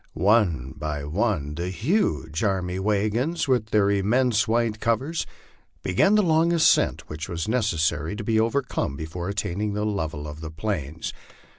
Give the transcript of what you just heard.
One by one the huge army wagons, with their immense white covers, began the long ascent which was necessary to be overcome before attaining the level of the plains.